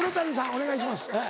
お願いします。